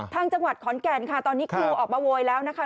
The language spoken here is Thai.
จังหวัดขอนแก่นค่ะตอนนี้ครูออกมาโวยแล้วนะคะ